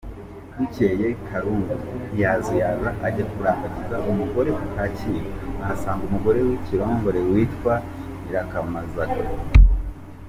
Bukeye, Karungu ntiyazuyaza ajya kurambagiza umugore ku Kacyiru; ahasanga umugore w’ikirongore witwaga Nyirakamagaza.